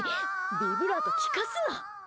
ビブラート利かすな。